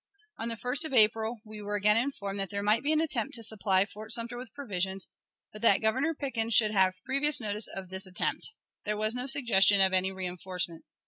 On the 1st of April we were again informed that there might be an attempt to supply Fort Sumter with provisions, but that Governor Pickens should have previous notice of this attempt. There was no suggestion of any reinforcement.